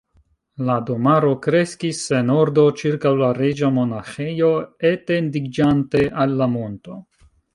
La domaro kreskis sen ordo ĉirkaŭ la Reĝa Monaĥejo, etendiĝante al la monto.